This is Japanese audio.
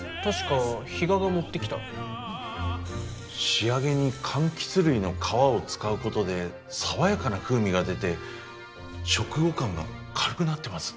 仕上げにかんきつ類の皮を使うことで爽やかな風味が出て食後感が軽くなってます。